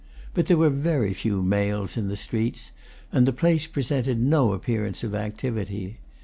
But there were very few males in the streets, and the place presented no appearance of activity.